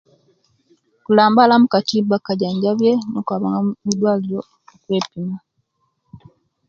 Kulambala mukatimba akajanjabye nokwabanga mudwaliro okwepima